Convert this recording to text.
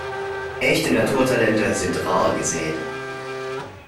Echte Naturtalente sind rar gesät.